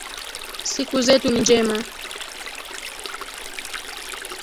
Siku zetu ni njema